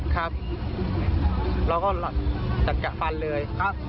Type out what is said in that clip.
เราก็จะกะปันเลย